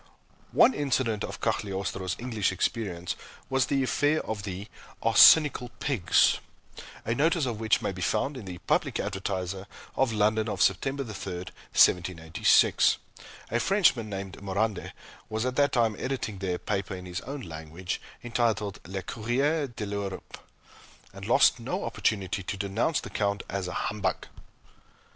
One incident of Cagliostro's English experience was the affair of the "Arsenical Pigs" a notice of which may be found in the "Public Advertiser," of London of September 3, 1786. A Frenchman named Morande, was at that time editing there a paper in his own language, entitled "Le Courrier de l'Europe," and lost no opportunity to denounce the Count as a humbug.